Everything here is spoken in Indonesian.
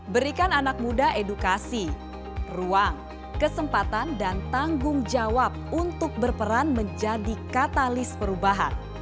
berikan anak muda edukasi ruang kesempatan dan tanggung jawab untuk berperan menjadi katalis perubahan